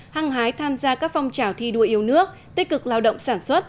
hăng hái tham gia các phong trào thi đua yêu nước tích cực lao động sản xuất